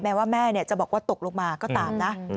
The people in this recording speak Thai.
แม้ว่าแม่เนี่ยจะบอกว่าตกลงมาก็ตามนะ